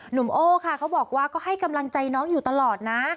โอค่ะเขาบอกว่าก็ให้กำลังใจน้องอยู่ตลอดนะ